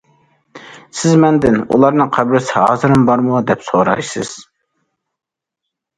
سىز مەندىن: ئۇلارنىڭ قەبرىسى ھازىرمۇ بارمۇ؟ دەپ سورارسىز.